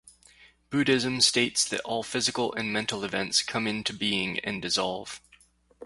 Buddhism states that all physical and mental events come into being and dissolve.